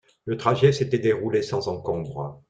Le trajet s’était déroulé sans encombre.